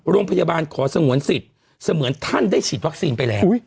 โรงพยาบาลขอสงวนสิทธิ์เสมือนท่านได้ฉีดวัคซีนไปแล้ว